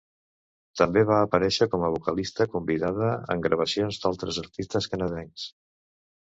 També va aparèixer com a vocalista convidada en gravacions d'altres artistes canadencs.